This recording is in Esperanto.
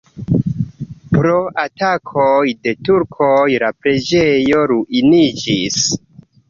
Pro atakoj de turkoj la preĝejo ruiniĝis.